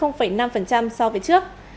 giảm năm so với trước